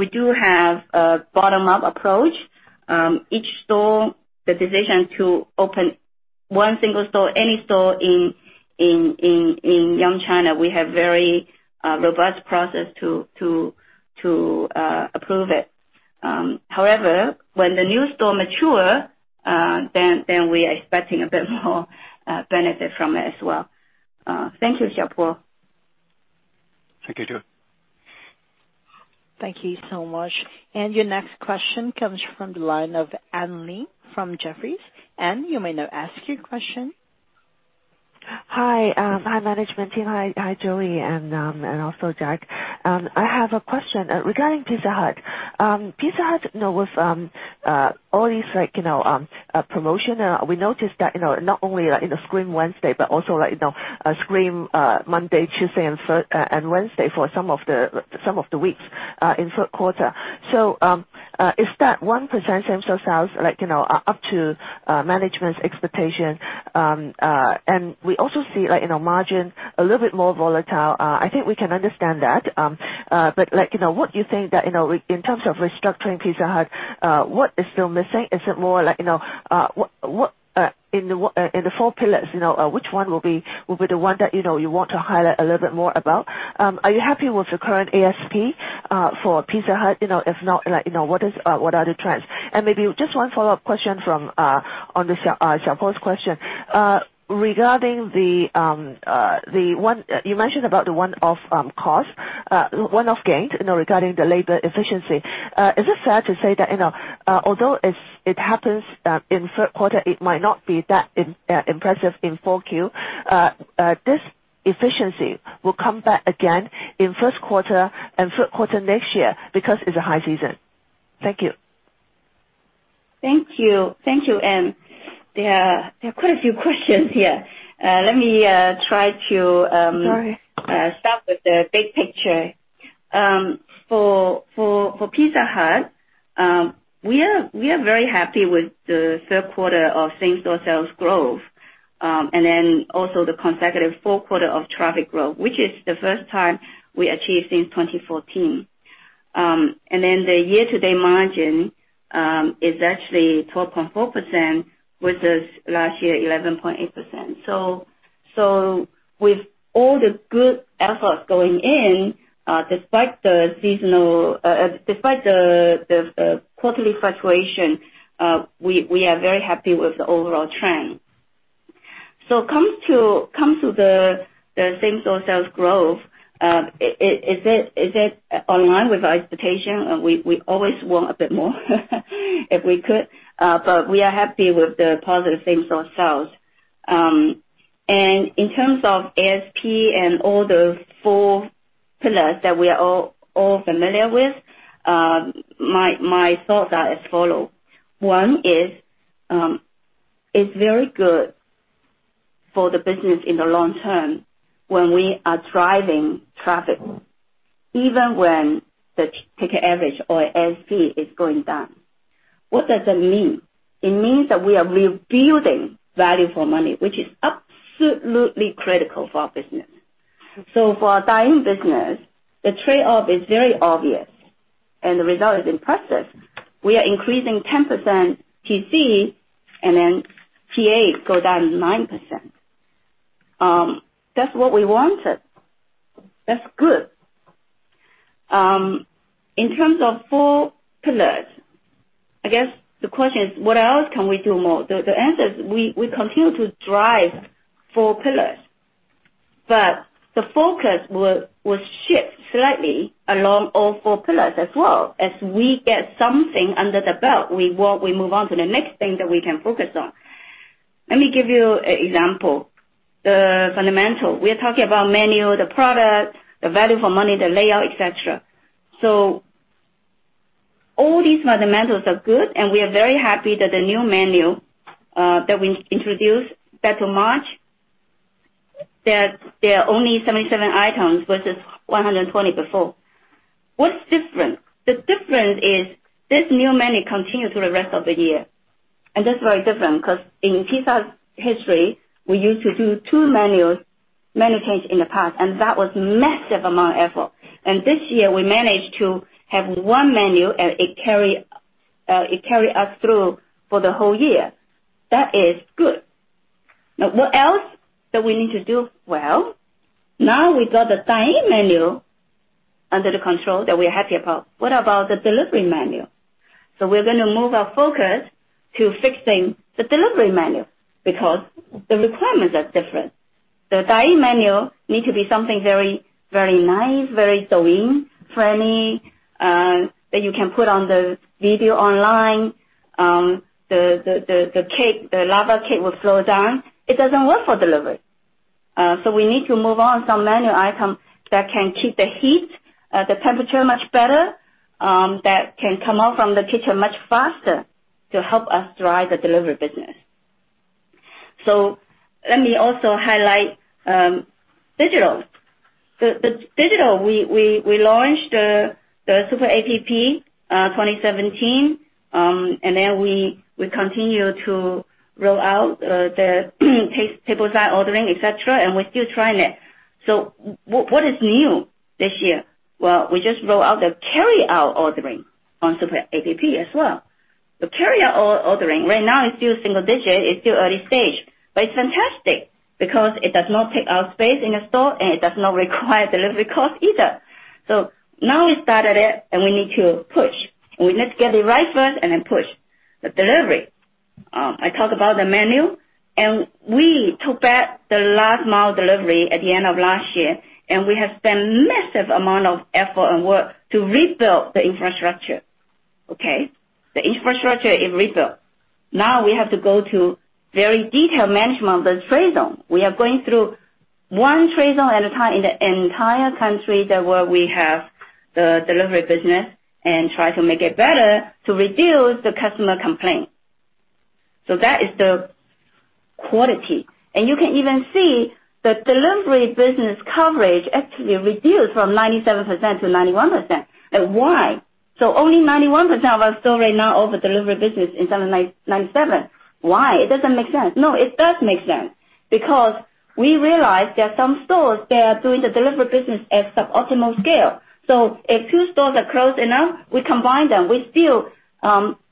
we do have a bottom-up approach. Each store, the decision to open one single store, any store in Yum China, we have very robust process to approve it. However, when the new store mature, we are expecting a bit more benefit from it as well. Thank you, Xiaopo. Thank you, Joey. Thank you so much. Your next question comes from the line of Anne Ling from Jefferies. Anne, you may now ask your question. Hi. Hi, management team. Hi, Joey, and also Jack. I have a question regarding Pizza Hut. Pizza Hut, with all these promotion, we noticed that, not only in the Scream Wednesday, but also Scream Monday, Tuesday, and Wednesday for some of the weeks in third quarter. Is that 1% same-store sales up to management's expectation? We also see margin a little bit more volatile. I think we can understand that. What you think that, in terms of restructuring Pizza Hut, what is still missing? In the four pillars, which one will be the one that you want to highlight a little bit more about? Are you happy with the current ASP for Pizza Hut? If not, what are the trends? Maybe just one follow-up question on Xiaopo's question. You mentioned about the one-off gains regarding the labor efficiency. Is it fair to say that although it happens in third quarter, it might not be that impressive in Q4, this efficiency will come back again in first quarter and third quarter next year because it's a high season? Thank you. Thank you, Anne. There are quite a few questions here. Sorry Start with the big picture. For Pizza Hut, we are very happy with the third quarter of same-store sales growth. Also the consecutive 4 quarter of traffic growth, which is the 1st time we achieved since 2014. The year-to-date margin is actually 12.4%, versus last year, 11.8%. With all the good efforts going in, despite the quarterly fluctuation, we are very happy with the overall trend. Come to the same-store sales growth. Is it online with our expectation? We always want a bit more, if we could. We are happy with the positive same-store sales. In terms of ASP and all the 4 pillars that we are all familiar with, my thoughts are as follow. One is, it's very good for the business in the long term when we are driving traffic, even when the ticket average or ASP is going down. What does that mean? It means that we are rebuilding value for money, which is absolutely critical for our business. For our dine-in business, the trade-off is very obvious, and the result is impressive. We are increasing 10% TC, TA go down 9%. That's what we wanted. That's good. In terms of four pillars, I guess the question is, what else can we do more? The answer is we continue to drive four pillars, the focus will shift slightly along all four pillars as well. As we get something under the belt, we move on to the next thing that we can focus on. Let me give you an example. The fundamental. We are talking about menu, the product, the value for money, the layout, et cetera. All these fundamentals are good, and we are very happy that the new menu, that we introduced back to March, that there are only 77 items versus 120 before. What's different? The difference is this new menu continue through the rest of the year, and that's very different because in Pizza Hut's history, we used to do two menu change in the past, and that was massive amount of effort. This year, we managed to have one menu and it carry us through for the whole year. That is good. What else that we need to do? Well, now we got the dine-in menu under the control that we're happy about. What about the delivery menu? We're gonna move our focus to fixing the delivery menu because the requirements are different. The dine-in menu need to be something very nice, very serene, friendly, that you can put on the video online. The lava cake will flow down. It doesn't work for delivery. We need to move on some menu item that can keep the heat, the temperature much better, that can come out from the kitchen much faster to help us drive the delivery business. Let me also highlight digital. The digital, we launched the Super App 2017, and then we continue to roll out the table side ordering, et cetera, and we're still trying it. What is new this year? Well, we just rolled out the carryout ordering on Super App as well. The carryout ordering right now is still single digit, it's still early stage. It's fantastic because it does not take out space in the store, and it does not require delivery cost either. Now we started it, and we need to push. We need to get it right first and then push the delivery. I talk about the menu, and we took back the last mile delivery at the end of last year, and we have spent massive amount of effort and work to rebuild the infrastructure. Okay. The infrastructure is rebuilt. Now we have to go to very detailed management of the trade zone. We are going through one trade zone at a time in the entire country where we have the delivery business and try to make it better to reduce the customer complaint. That is the quality. You can even see the delivery business coverage actually reduced from 97% to 91%. Why? Only 91% of our store right now offer delivery business in 97%. Why? It doesn't make sense. It does make sense, because we realized there are some stores that are doing the delivery business at suboptimal scale. If two stores are close enough, we combine them. We still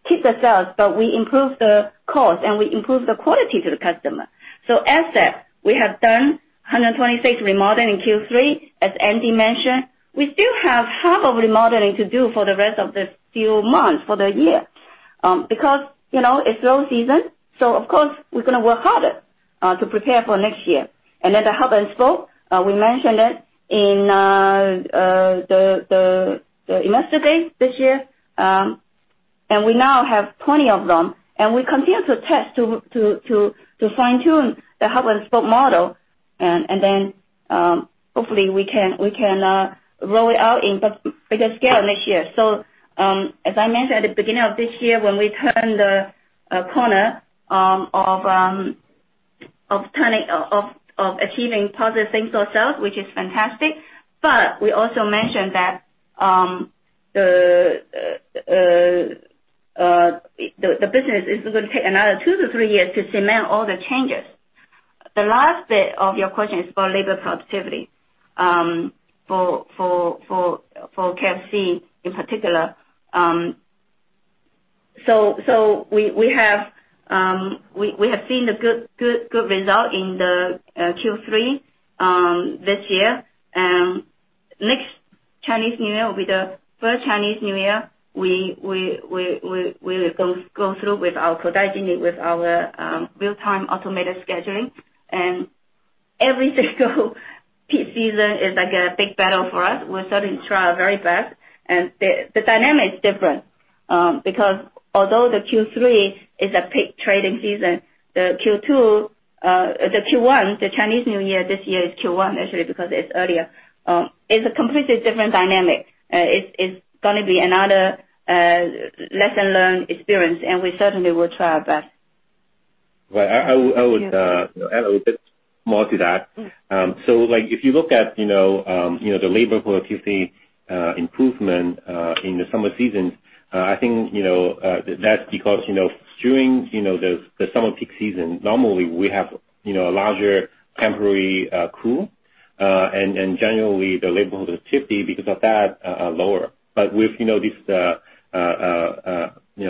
keep the sales, but we improve the cost, and we improve the quality to the customer. As said, we have done 126 remodeling in Q3, as Andy mentioned. We still have half of remodeling to do for the rest of this few months for the year. It's low season, of course, we're going to work harder, to prepare for next year. The hub and spoke, we mentioned it in the investor day this year. We now have 20 of them, and we continue to test to fine-tune the hub and spoke model. Hopefully, we can roll it out in bigger scale next year. As I mentioned at the beginning of this year, when we turn the corner of achieving positive same-store sales, which is fantastic. We also mentioned that the business is going to take another 2 to 3 years to cement all the changes. The last bit of your question is for labor productivity, for KFC in particular. We have seen a good result in the Q3 this year. Next Chinese New Year will be the first Chinese New Year we will go through with our production with our real-time automated scheduling. Every single peak season is like a big battle for us. We certainly try our very best. The dynamic is different, because although the Q3 is a peak trading season, the Q1, the Chinese New Year this year is Q1 actually, because it's earlier, is a completely different dynamic. It's gonna be another lesson-learned experience. We certainly will try our best. Right. I would add a little bit more to that. Yeah. If you look at the labor productivity improvement in the summer seasons, I think that's because during the summer peak season, normally we have a larger temporary crew. Generally, the labor productivity because of that are lower. With this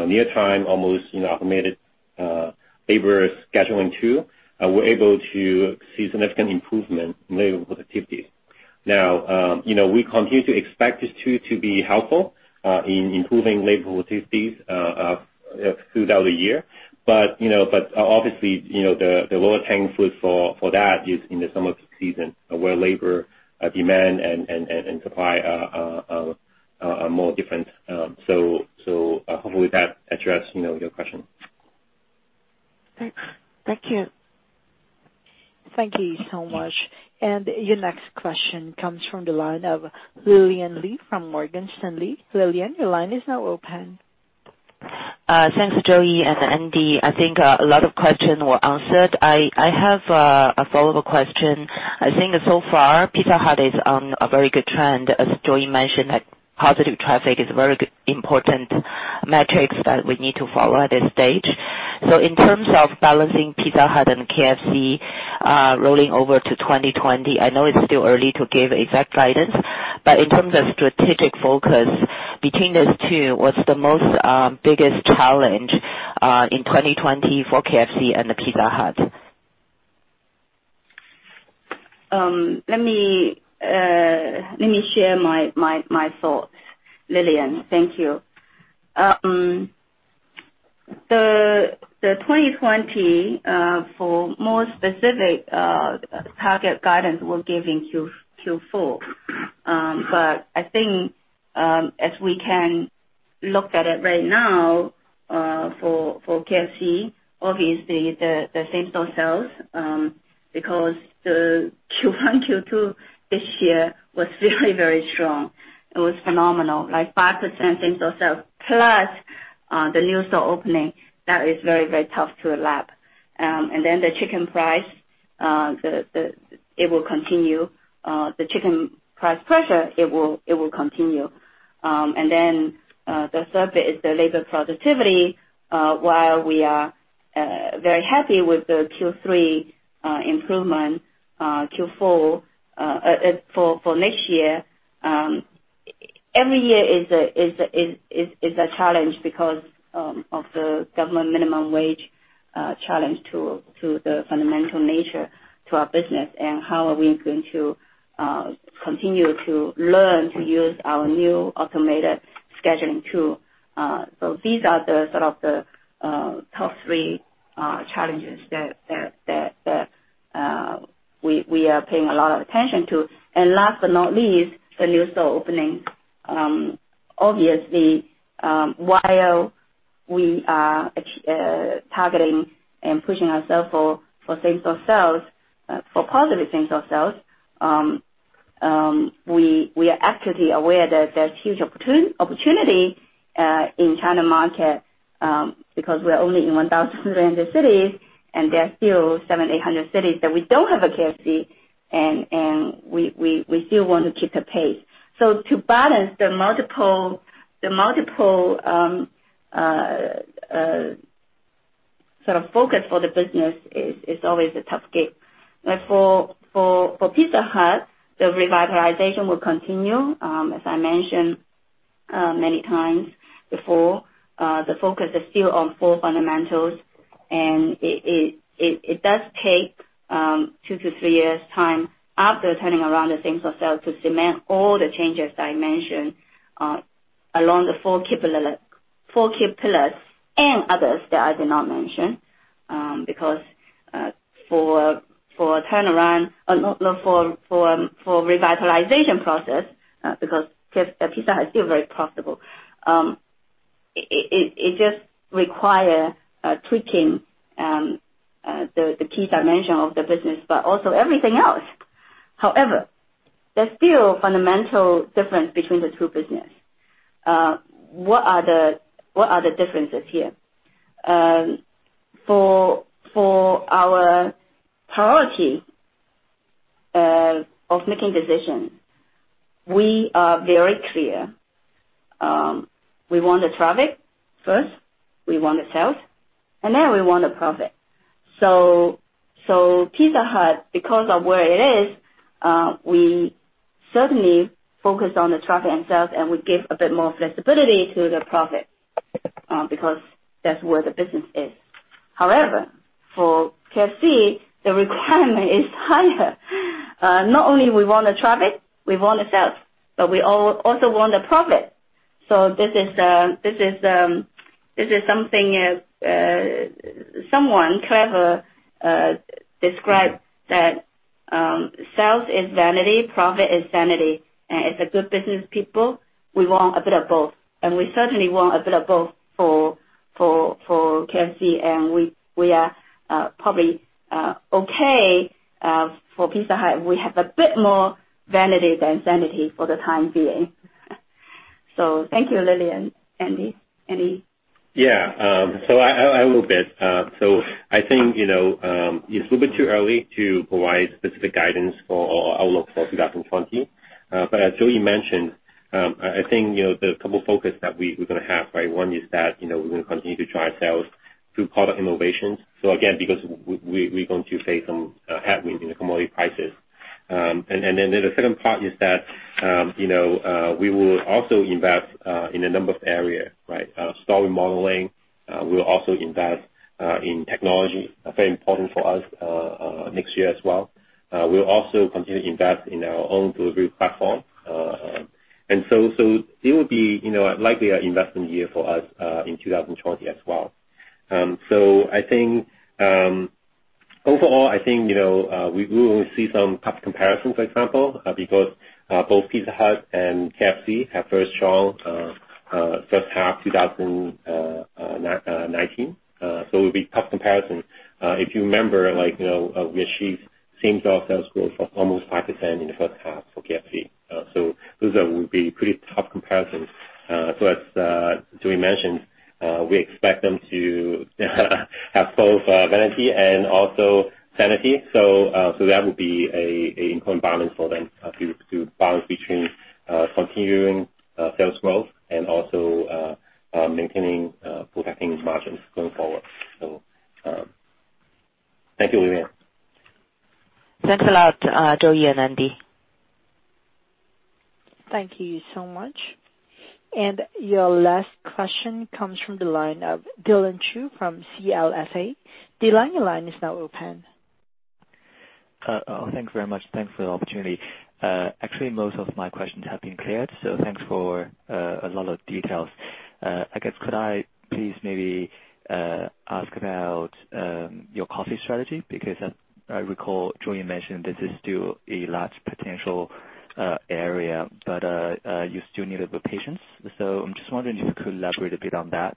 near-time almost automated labor scheduling tool, we're able to see significant improvement in labor productivity. We continue to expect this tool to be helpful in improving labor productivities throughout the year. Obviously, the lowest hanging fruit for that is in the summer peak season, where labor demand and supply are more different. Hopefully that addressed your question. Thanks. Thank you. Thank you so much. Your next question comes from the line of Lillian Lou from Morgan Stanley. Lillian, your line is now open. Thanks, Joey and Andy. I think a lot of questions were answered. I have a follow-up question. I think so far, Pizza Hut is on a very good trend. As Joey mentioned, that positive traffic is very important metrics that we need to follow at this stage. In terms of balancing Pizza Hut and KFC, rolling over to 2020, I know it's still early to give exact guidance, but in terms of strategic focus between those two, what's the most biggest challenge in 2020 for KFC and Pizza Hut? Let me share my thoughts, Lillian. Thank you. The 2020, for more specific target guidance, we'll give in Q4. I think, as we can look at it right now, for KFC, obviously the same-store sales. Because the Q1, Q2 this year was very, very strong. It was phenomenal, like 5% same-store sale. Plus, the new store opening, that is very, very tough to lap. The chicken price, it will continue. The chicken price pressure, it will continue. The third bit is the labor productivity, while we are very happy with the Q3 improvement. For next year, every year is a challenge because of the government minimum wage challenge to the fundamental nature to our business, and how are we going to continue to learn to use our new automated scheduling tool. These are the sort of the top three challenges that we are paying a lot of attention to. Last but not least, the new store opening. Obviously, while we are targeting and pushing ourselves for same-store sales, for positive same-store sales, we are acutely aware that there's huge opportunity in China market because we're only in 1,300 cities, and there are still 700, 800 cities that we don't have a KFC, and we still want to keep a pace. To balance the multiple sort of focus for the business is always a tough gig. For Pizza Hut, the revitalization will continue. As I mentioned many times before, the focus is still on four fundamentals, and it does take two to three years' time after turning around the same-store sales to cement all the changes I mentioned along the four key pillars and others that I did not mention. For revitalization process, because Pizza Hut is still very profitable, it just require tweaking the key dimension of the business, but also everything else. There's still fundamental difference between the two business. What are the differences here? For our priority of making decisions, we are very clear. We want the traffic first, we want the sales, and then we want the profit. Pizza Hut, because of where it is, we certainly focus on the traffic and sales, and we give a bit more flexibility to the profit, because that's where the business is. For KFC, the requirement is higher. Not only we want the traffic, we want the sales, but we also want the profit. This is something someone clever described that sales is vanity, profit is sanity. As a good business people, we want a bit of both. We certainly want a bit of both for KFC, and we are probably okay for Pizza Hut. We have a bit more vanity than sanity for the time being. Thank you, Lillian. Andy, any? Yeah. I think it's a little bit too early to provide specific guidance for our outlook for 2020. As Joey mentioned, I think, the couple focus that we're gonna have, right, one is that, we're gonna continue to drive sales through product innovations. Again, because we're going to face some headwinds in the commodity prices. The second part is that we will also invest in a number of area, right? Store remodeling. We'll also invest in technology, very important for us next year as well. We'll also continue to invest in our own delivery platform. It will be likely our investment year for us, in 2020 as well. Overall, I think we will see some tough comparisons, for example, because both Pizza Hut and KFC have very strong first half 2019. It will be tough comparison. If you remember, we achieved same-store sales growth of almost 5% in the first half for KFC. Those will be pretty tough comparisons. As Joey mentioned, we expect them to have both vanity and also sanity. That would be an important balance for them, to balance between continuing sales growth and also maintaining, protecting margins going forward. Thank you, Lillian. Thanks a lot, Joey and Andy. Thank you so much. Your last question comes from the line of [Dylan Chou] from CLSA. Lillian, your line is now open. Thanks very much. Thanks for the opportunity. Actually, most of my questions have been cleared. Thanks for a lot of details. I guess could I please maybe ask about your coffee strategy? As I recall, Joey mentioned this is still a large potential area. You still needed the patience. I'm just wondering if you could elaborate a bit on that.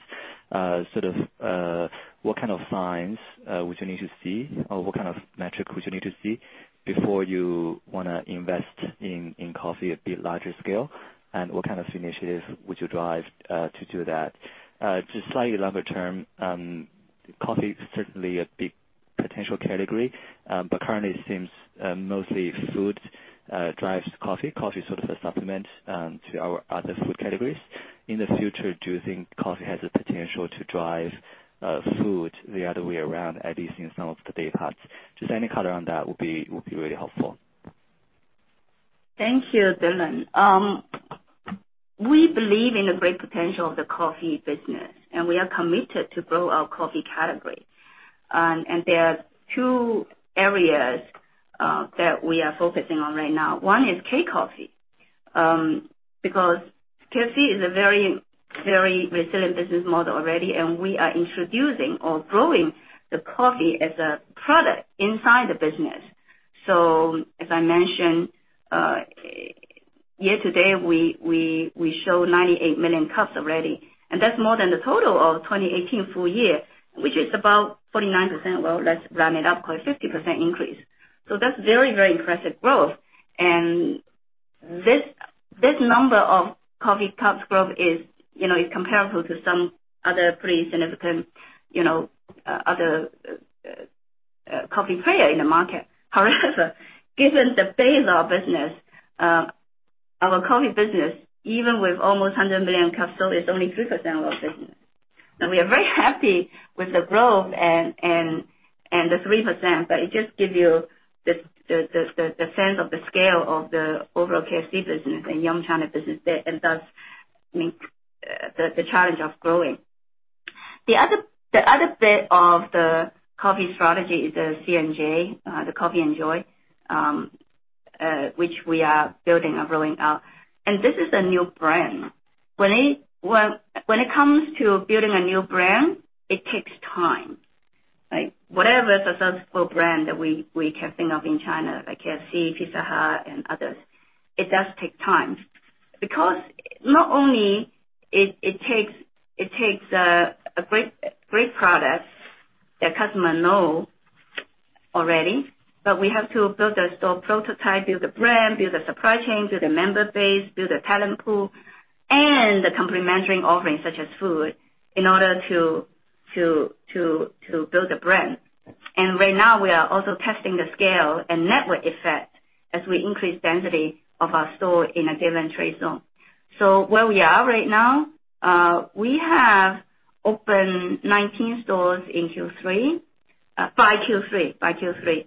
Sort of what kind of signs would you need to see, or what kind of metric would you need to see before you wanna invest in coffee a bit larger scale? What kind of initiatives would you drive to do that? Just slightly longer term, coffee is certainly a big potential category. Currently it seems mostly food drives coffee. Coffee is sort of a supplement to our other food categories. In the future, do you think coffee has the potential to drive food the other way around, at least in some of the day parts? Just any color on that would be really helpful. Thank you, Lillian. We believe in the great potential of the coffee business, we are committed to grow our coffee category. There are two areas that we are focusing on right now. One is KCOFFEE, because KFC is a very resilient business model already, and we are introducing or growing the coffee as a product inside the business. As I mentioned, year to date, we show 98 million cups already, and that's more than the total of 2018 full year, which is about 49%. Let's round it up, call it 50% increase. That's very, very impressive growth. This number of coffee cups growth is comparable to some other pretty significant other coffee player in the market. However, given the base of our business, our coffee business, even with almost 100 million cups sold, is only 3% of our business. We are very happy with the growth and the 3%, but it just gives you the sense of the scale of the overall KFC business and Yum China business, and thus, I mean, the challenge of growing. The other bit of the coffee strategy is the C&J, the COFFii & JOY, which we are building or rolling out. This is a new brand. When it comes to building a new brand, it takes time, right? Whatever successful brand that we can think of in China, like KFC, Pizza Hut, and others, it does take time. Not only it takes a great product that customer know already, but we have to build a store prototype, build a brand, build a supply chain, build a member base, build a talent pool, and the complementary offerings such as food in order to build a brand. Right now, we are also testing the scale and network effect as we increase density of our store in a given trade zone. Where we are right now, we have opened 19 stores in Q3 by Q3.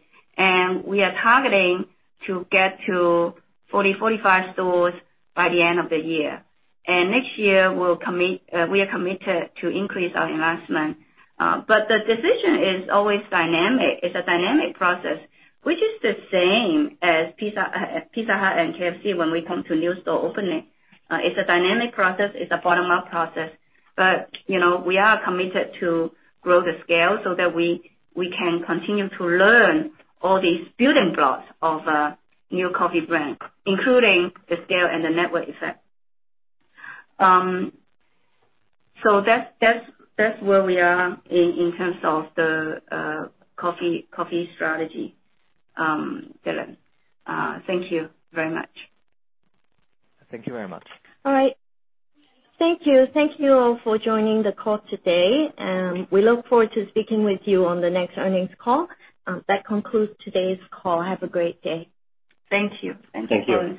We are targeting to get to 40, 45 stores by the end of the year. Next year, we are committed to increase our investment. The decision is always dynamic. It's a dynamic process, which is the same as Pizza Hut and KFC when we come to new store opening. It's a dynamic process. It's a bottom-up process. We are committed to grow the scale so that we can continue to learn all these building blocks of a new coffee brand, including the scale and the network effect. That's where we are in terms of the coffee strategy. Lillian, thank you very much. Thank you very much. All right. Thank you. Thank you all for joining the call today, and we look forward to speaking with you on the next earnings call. That concludes today's call. Have a great day. Thank you. Thank you.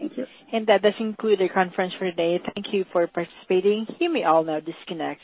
Thank you. That does conclude the conference for today. Thank you for participating. You may all now disconnect.